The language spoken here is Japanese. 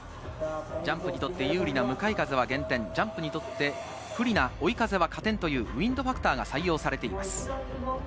ジャンプにとって有利な向かい風は減点、不利な追い風分は加点というウィンドファクターが採用されています。